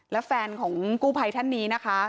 และแฟนของกู้ภัยท่านนี้นะคะ